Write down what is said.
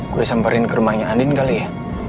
gue samparin ke rumahnya andin kali ya